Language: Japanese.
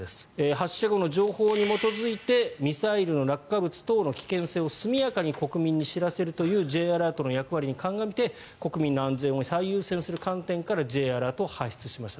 発射後の情報に基づいてミサイルの落下物等の危険性を速やかに国民に知らせるというＪアラートの役割に鑑みて国民の安全を最優先する観点からＪアラートを発出しました。